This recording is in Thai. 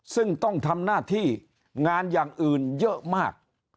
ซึ่งต้องทำหน้าที่งานอย่างอื่นเยอะมาก